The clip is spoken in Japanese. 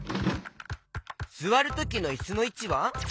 すわるときのいすのいちは？